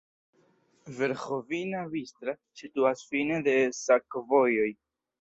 Verĥovina-Bistra situas fine de sakovojo.